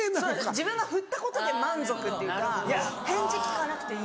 自分がふったことで満足っていうか返事聞かなくていい。